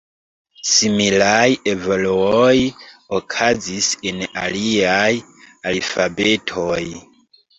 Similaj evoluoj okazis en aliaj alfabetoj.